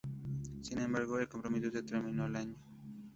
Sin embargo, el compromiso se terminó al año.